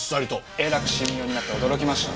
えらく神妙になって驚きました。